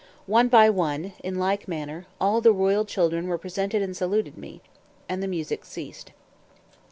One by one, in like manner, all the royal children were presented and saluted me; and the music ceased.